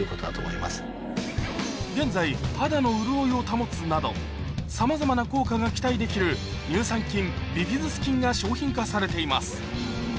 現在肌の潤いを保つなどさまざまな効果が期待できる乳酸菌ビフィズス菌が商品化されています